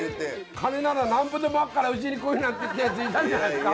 金ならなんぼでもあっからうちに来いなんて言ったやついたんじゃないですか。